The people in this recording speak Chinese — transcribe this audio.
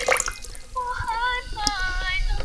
古隆族是分布在尼泊尔中部的山地民族。